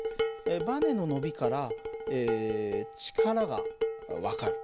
ばねの伸びから力が分かる。